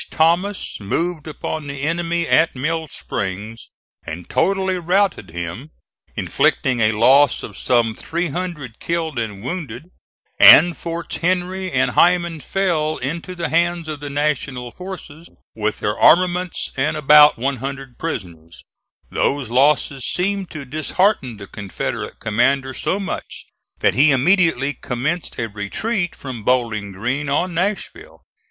Thomas moved upon the enemy at Mill Springs and totally routed him, inflicting a loss of some 300 killed and wounded, and forts Henry and Heiman fell into the hands of the National forces, with their armaments and about 100 prisoners, those losses seemed to dishearten the Confederate commander so much that he immediately commenced a retreat from Bowling Green on Nashville.